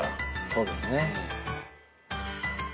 そうですね。